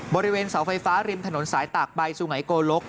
บริเวณเสาไฟฟ้าริมถนนสายตากใบสุงัยโกลก